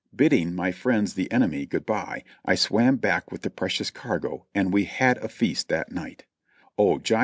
bidding my friends the enemy good by, I swam back with the precious cargo, and we had a feast that night in SoL'X's.'''